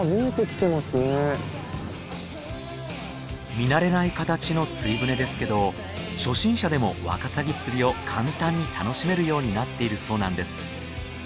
見慣れない形の釣り船ですけど初心者でもワカサギ釣りを簡単に楽しめるようになっているそうなんです。